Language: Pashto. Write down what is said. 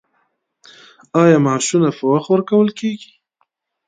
آیا معاشونه پر وخت ورکول کیږي؟